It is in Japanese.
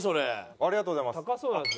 ありがとうございます。